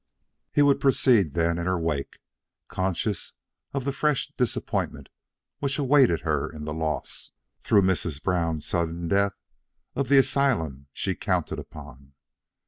He would proceed then in her wake, conscious of the fresh disappointment which awaited her in the loss, through Miss Brown's sudden death, of the asylum she counted upon.